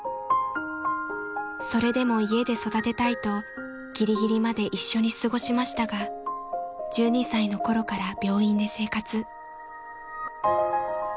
［それでも家で育てたいとぎりぎりまで一緒に過ごしましたが１２歳の頃から病院で生活］